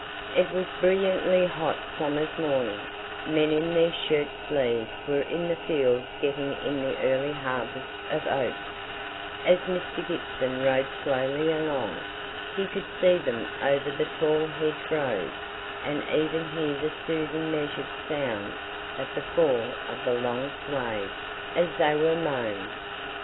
It was a brilliantly hot summer's morning; men in their shirtsleeves were in the fields getting in the early harvest of oats; as Mr. Gibson rode slowly along, he could see them over the tall hedge rows, and even hear the soothing measured sound of the fall of the long swathes, as they were mown.